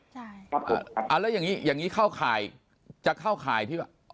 ใช่ครับผมครับอ่าแล้วอย่างนี้อย่างนี้เข้าข่ายจะเข้าข่ายที่แบบ